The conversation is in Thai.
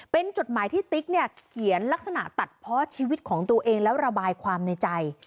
เป็นจดหมายที่ติ๊กเนี่ยเขียนลักษณะตัดเพาะชีวิตของตัวเองแล้วระบายความในใจ